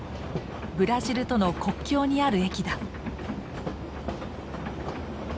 ブラジルとの国境にある駅だ。